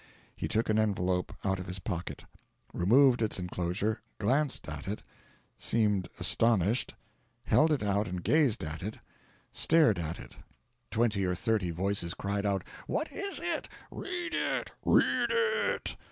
He took an envelope out of his pocket, removed its enclosure, glanced at it seemed astonished held it out and gazed at it stared at it. Twenty or thirty voices cried out: "What is it? Read it! read it!"